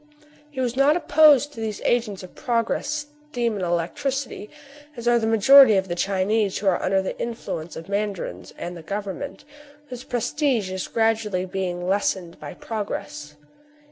He was not op* posed to these agents of progress, steam and elec tricity, as are the majority of the Chinese, who are under the influence of mandarins and the gov ernment, whose prestige is gradually being les sened by progress.